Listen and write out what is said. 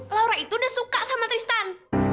laura itu udah suka sama tristan